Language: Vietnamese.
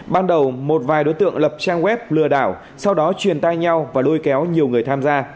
ban đầu một vài đối tượng lập trang web lừa đảo sau đó truyền tai nhau và lôi kéo nhiều người tham gia